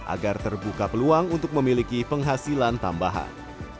agar terbuka peluang untuk memiliki penghasilan tambahan